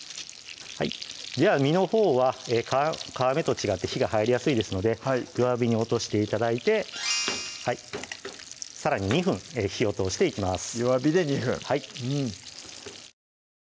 身のほうは皮目と違って火が入りやすいですので弱火に落として頂いてさらに２分火を通していきます